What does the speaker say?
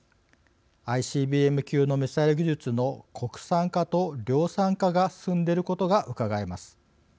ＩＣＢＭ級のミサイル技術の国産化と量産化が進んでいることがうかがえます。